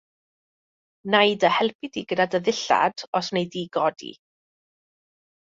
Wna i dy helpu di gyda dy ddillad os wnei di godi.